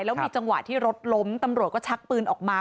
แล้วมีจังหวะที่รถล้มตำรวจก็ชักปืนออกมา